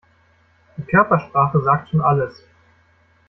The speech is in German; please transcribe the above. Die Körpersprache sagt schon alles.